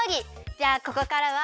じゃあここからは。